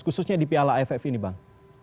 khususnya di piala aff ini bang